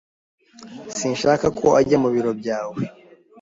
Sinshaka ko ajya mu biro byawe